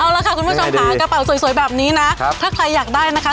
เอาละค่ะคุณผู้ชมค่ะกระเป๋าสวยแบบนี้นะถ้าใครอยากได้นะคะ